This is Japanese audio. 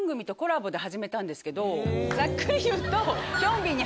ざっくり言うと。